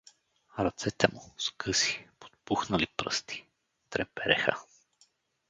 Ръцете му, с къси, подпухнали пръсти, трепереха.